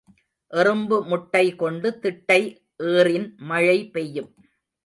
எறும்பு முட்டை கொண்டு திட்டை ஏறின் மழை பெய்யும்.